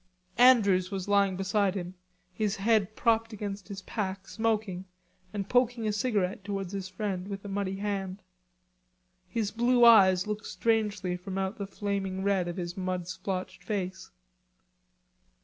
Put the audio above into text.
Andrews was lying beside him, his head propped against his pack, smoking, and poking a cigarette towards his friend with a muddy hand. His blue eyes looked strangely from out the flaming red of his mud splotched face.